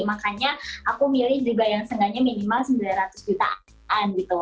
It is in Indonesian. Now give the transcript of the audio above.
makanya aku milih juga yang seengganya minimal sembilan ratus jutaan gitu